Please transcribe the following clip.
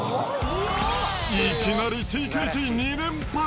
いきなりＴＫＧ２連発。